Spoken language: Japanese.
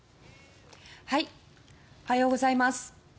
おはようございます。